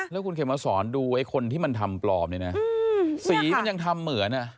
แล้วคุณเข็มมาสอนดูไอ้คนที่มันทำปลอมเนี่ยนะสีมันยังทำเหมือนอ่ะ